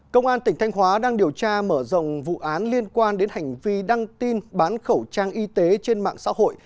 công an tỉnh thanh hóa đang điều tra mở rộng vụ án liên quan đến hành vi đăng tin bán khẩu trang y tế trên mạng xã hội